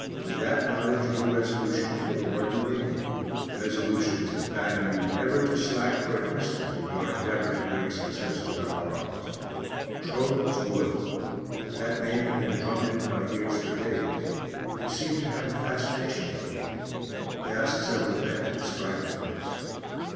With that knowledge new resolutions were born within you; resolutions that bade you never to slack for an instant in your endeavour to bring success to our arms. Trones Wood! That name had been drummed into my ears for days. It seemed to have a fascination for me. I asked several men to describe the place.